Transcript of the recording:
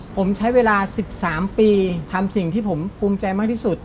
ผมใช้เวลา๑๓ปีทำสิ่งที่ผมภูมิใจมากที่สุด